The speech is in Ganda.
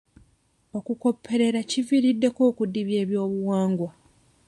Okukopperera kiviiriddeko okudibya ebyobuwangwa.